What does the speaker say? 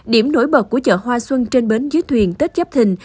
điểm nổi bật của chợ hoa xuân trên bến dưới thuyền tết giáp thình